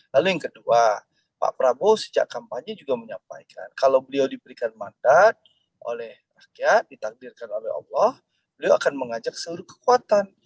lalu yang kedua pak prabowo sejak kampanye juga menyampaikan kalau beliau diberikan mandat oleh rakyat ditakdirkan oleh allah beliau akan mengajak seluruh kekuatan